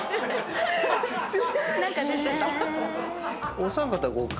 お三方。